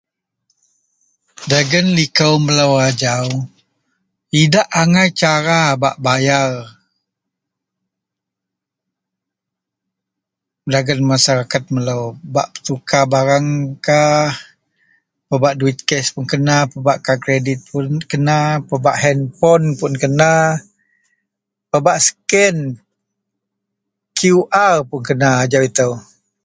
Dagen likou melo ajau idak angai ba bayar dagen masyarakat melo ba bertukar barang bak duit cash, bak kredit kad kena bak handphone pun kena bak scan pun kena ajau ito.